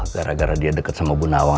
gara gara dia deket sama bu nawang